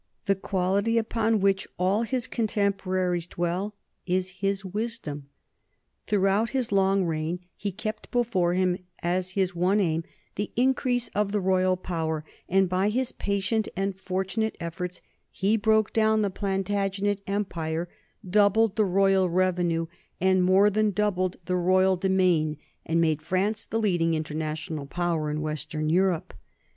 The quality upon which all his contemporaries dwell is his wisdom. Throughout his long reign he kept before him as his one aim the increase of the royal power, and by his patient and fortunate efforts he broke down the Plantagenet empire, doubled the royal revenue and more than doubled the royal do NORMANDY AND FRANCE 127 main, and made France the leading international power in western Europe.